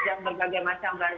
dan berbagai macam